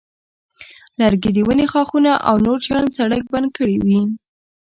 لرګي د ونې ښاخونه او نور شیان سړک بند کړی وي.